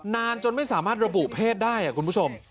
นานจนไม่สามารถระบุเพศได้คุณผู้ชม